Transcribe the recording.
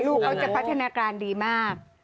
ลูกเขาจะพัฒนาการดีมาก